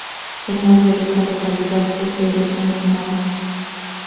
El nombre de esta localidad es de origen náhuatl.